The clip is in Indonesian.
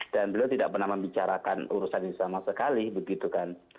dan beliau tidak pernah membicarakan urusan yang sama sekali begitu kan